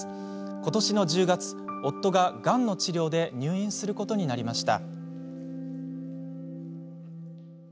ことしの１０月夫が、がんの治療で入院することになりました。